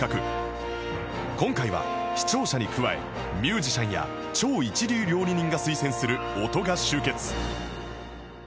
今回は視聴者に加えミュージシャンや超一流料理人が推薦する音が集結